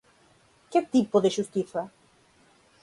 ¿Que tipo de xustiza?